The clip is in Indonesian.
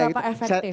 ya seberapa efektif